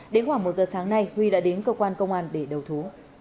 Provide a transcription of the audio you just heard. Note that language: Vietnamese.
đến khoảng một giờ sáng nay huy đã đến cơ quan công an để đầu thú